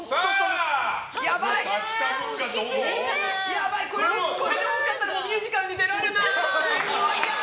やばい、これで多かったらミュージカルに出られない。